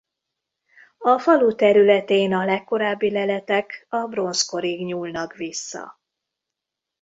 A falu területén a legkorábbi leletek a bronzkorig nyúlnak vissza.